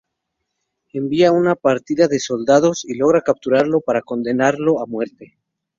Envía una partida de soldados y logra capturarlo para condenarlo a muerte.